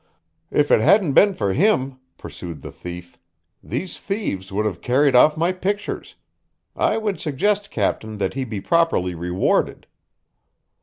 "If it hadn't been for him," pursued the thief, "these thieves would have carried off my pictures. I would suggest, captain, that he be properly rewarded."